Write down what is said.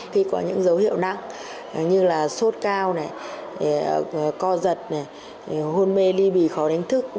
khi có những dấu hiệu nặng như là sốt cao co giật hôn mê ly bì khó đánh thức